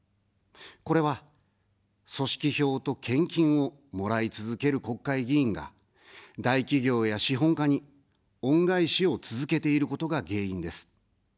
これは、組織票と献金をもらい続ける国会議員が、大企業や資本家に恩返しを続けていることが原因です。